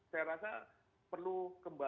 saya rasa perlu kembali